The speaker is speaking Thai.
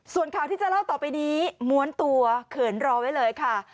ส่วนข่าวที่จะเล่าต่อไปนี้ม้วนตัวเขินรอไว้เลยค่ะ